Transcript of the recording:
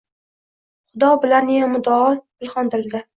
Xudo bilar ne muddao pinhon dilda.